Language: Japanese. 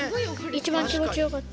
一番気持ちよかった。